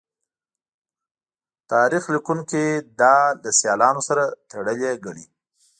تاریخ لیکوونکي دا له سیالانو سره تړلې ګڼي